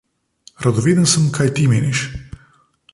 Radoveden sem, kaj ti meniš!